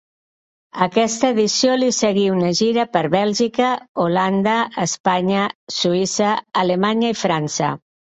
A aquesta edició li seguí una gira per Bèlgica, Holanda, Espanya, Suïssa, Alemanya i França.